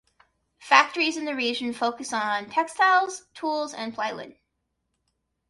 Factories in the region focus on textiles, tools, and plywood.